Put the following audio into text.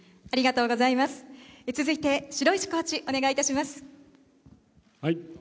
続いて、白石コーチ、お願いします。